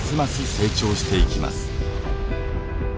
成長していきます。